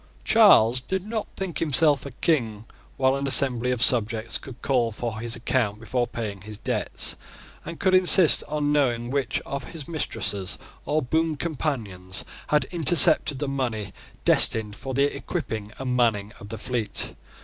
Charles did not think himself a King while an assembly of subjects could call for his accounts before paying his debts, and could insist on knowing which of his mistresses or boon companions had intercepted the money destined for the equipping and manning of the fleet.